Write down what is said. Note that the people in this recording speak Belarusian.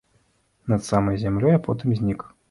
Над самай зямлёй, а потым знік.